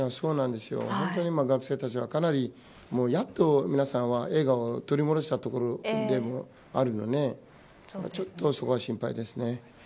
本当に学生たちはかなりやっと皆さんは笑顔を取り戻したところでもあるのでちょっと、そこは心配ですね。